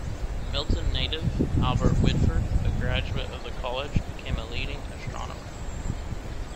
Milton native, Albert Whitford, a graduate of the college, became a leading astronomer.